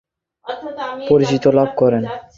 তিনি "home front প্রধানমন্ত্রী" উপনামে পরিচিতি লাভ করেন।